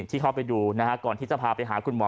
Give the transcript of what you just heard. ที่เข้าไปดูนะฮะก่อนที่จะพาไปหาคุณหมอ